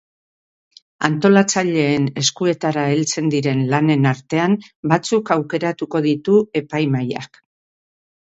Antolatzaileen eskuetara heltzen diren lanen artean batzuk aukeratuko ditu epaimahaiak.